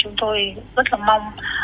chúng tôi rất là mong